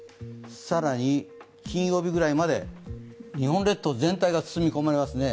更に金曜日ぐらいまで日本列島全体が包み込まれますね。